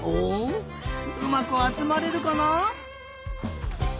うまくあつまれるかな？